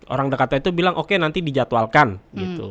orang dekatnya itu bilang oke nanti dijadwalkan gitu